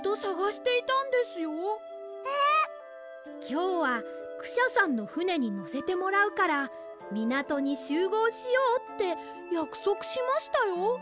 きょうはクシャさんのふねにのせてもらうからみなとにしゅうごうしようってやくそくしましたよ？